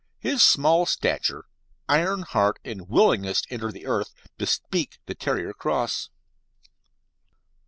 His small stature, iron heart, and willingness to enter the earth bespeak the terrier cross.